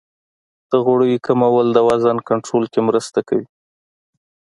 د غوړیو کمول د وزن کنټرول کې مرسته کوي.